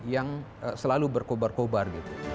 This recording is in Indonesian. yang selalu berkobar kobar